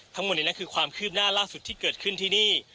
ทั้งหมดนี้นั่นคือความคืบหน้าล่าสุดที่เกิดขึ้นที่นี่